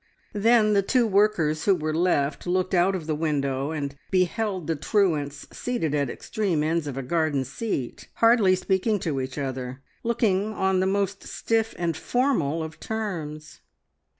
Then the two workers who were left looked out of the window and beheld the truants seated at extreme ends of a garden seat, hardly speaking to each other, looking on the most stiff and formal of terms.